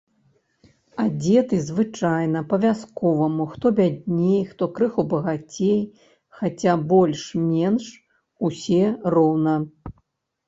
Адзеты звычайна, па-вясковаму, хто бядней, хто крыху багацей, хаця больш-менш усе роўна.